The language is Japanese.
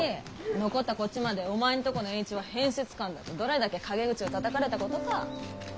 残ったこっちまで「お前んとこの栄一は変節漢だ」ってどれだけ陰口をたたかれたことか。